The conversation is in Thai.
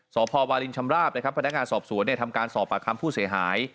สพวาลินชำราบนะครับพนักงานสอบสวนทำการสอบปากคำผู้เสียหาย